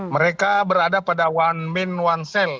mereka berada pada one man one cell